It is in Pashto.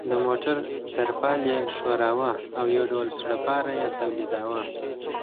د موټر ترپال یې ښوراوه او یو ډول سړپاری یې تولیداوه.